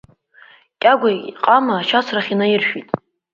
Кьагәа иҟама ашьацрахь инаиршәит.